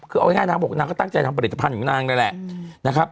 คือเอาง่ายนางบอกนางก็ตั้งใจทำผลิตภัณฑ์ของนางนั่นแหละนะครับ